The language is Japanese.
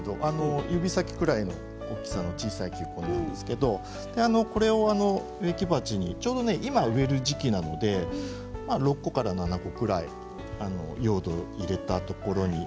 指先くらいの大きさですがこれを植木鉢にちょうど今、植える時期なので６個から７個ぐらい用土を入れたところに。